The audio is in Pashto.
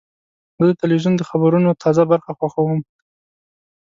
زه د تلویزیون د خبرونو تازه برخه خوښوم.